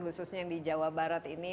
khususnya yang di jawa barat ini